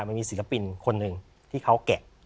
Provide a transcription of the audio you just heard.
มันมีศิลปินคนหนึ่งที่เขาแกะ